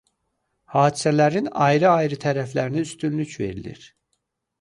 Hadisələrin ayrı– ayrı tərəflərinə üstünlük verilir.